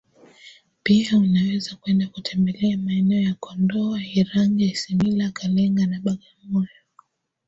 Pia unaweza kwenda kutembelea maeneo ya Kondoa irangi Isimila Kalenga na Bagamoyo